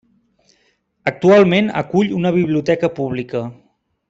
Actualment acull una biblioteca pública.